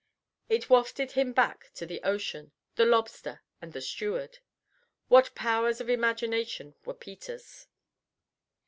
It wafted him back to the ocean, the lobster, and the steward. What powers of imagination were Peter's!